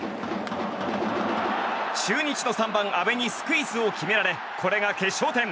中日の３番、阿部にスクイズを決められこれが決勝点。